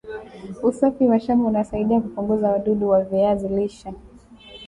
usafi wa shamba unasaidia kupunguza wadudu wa viazi lishe